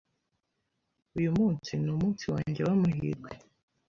Uyu munsi numunsi wanjye wamahirwe.